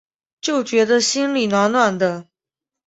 就觉得心里暖暖的